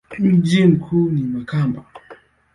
Mji mkuu ni Makamba.